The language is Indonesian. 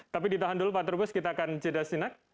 tapi ditahan dulu pak trubus kita akan jeda sinak